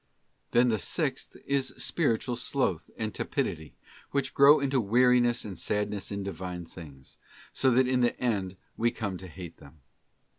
Then the sixth is spiritual sloth and tepidity, which grow into weariness and sadness in Divine things, so that in the end we come to hate them.